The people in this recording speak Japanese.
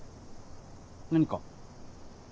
何か？